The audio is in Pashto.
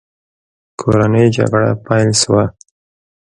کورنۍ جګړه پیل شوه.